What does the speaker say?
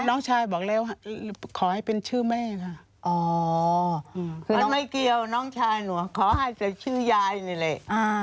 น้องชายบอกแล้วขอให้เป็นชื่อแม่ค่ะอ๋อคือน้องไม่เกี่ยวน้องชายหนูขอให้ใส่ชื่อยายนี่แหละ